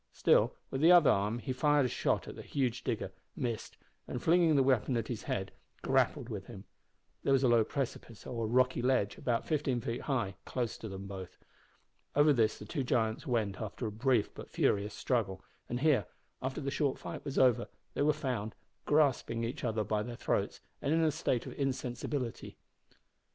Still, with the other arm he fired a shot at the huge digger, missed, and, flinging the weapon at his head, grappled with him. There was a low precipice or rocky ledge, about fifteen feet high, close to them. Over this the two giants went after a brief but furious struggle, and here, after the short fight was over, they were found, grasping each other by their throats, and in a state of insensibility.